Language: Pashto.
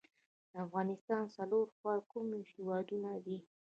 د افغانستان څلور خواوې کوم هیوادونه دي؟